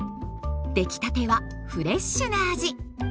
できたてはフレッシュな味。